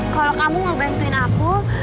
kalau kamu mau bantuin aku